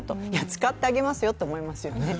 使ってあげますよと思いますよね。